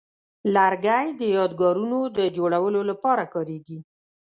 لرګی د یادګارونو د جوړولو لپاره کاریږي.